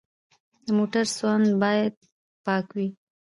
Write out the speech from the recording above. د موټر سوند باید پاک وي.